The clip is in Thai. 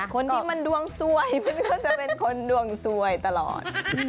คนที่มันดวงสวยมันก็จะเป็นคนดวงสวยตลอด